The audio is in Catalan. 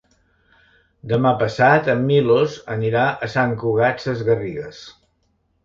Demà passat en Milos anirà a Sant Cugat Sesgarrigues.